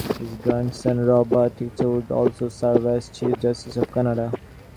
His grandson Robert Taschereau would also serve as Chief Justice of Canada.